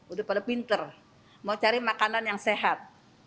udah pada pinter mau cari makanan yang sehat